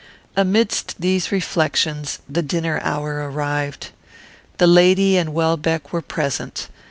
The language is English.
Amidst these reflections the dinner hour arrived. The lady and Welbeck were present.